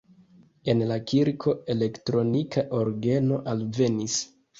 En la kirko elektronika orgeno alvenis.